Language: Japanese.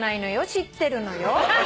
知ってるのよ。